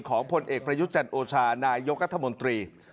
ผลเอกประยุทธ์จันโอชานายกรัฐมนตรี